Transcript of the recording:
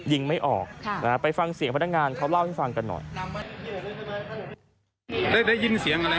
ไม่ออกไปฟังเสียงพนักงานเขาเล่าให้ฟังกันหน่อย